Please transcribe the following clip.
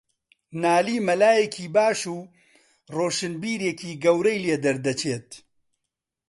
نالی مەلایەکی باش و ڕۆشنبیرێکی گەورەی لێدەردەچێت